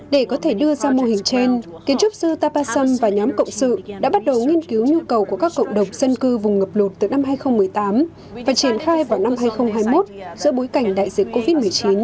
để có thể đưa ra mô hình trên kiến trúc sư tapason và nhóm cộng sự đã bắt đầu nghiên cứu nhu cầu của các cộng đồng dân cư vùng ngập lụt từ năm hai nghìn một mươi tám và triển khai vào năm hai nghìn hai mươi một giữa bối cảnh đại dịch covid một mươi chín